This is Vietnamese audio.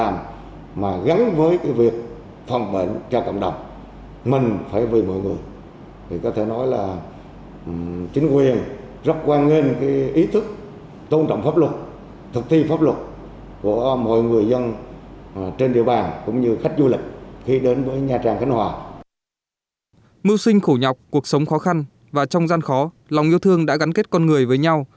mưu sinh khổ nhọc cuộc sống khó khăn và trong gian khó lòng yêu thương đã gắn kết con người với nhau